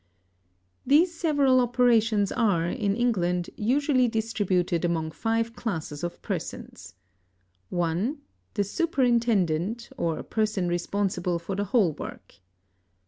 These several operations are, in England, usually distributed among five classes of persons. (1) The superintendent or person responsible for the whole work.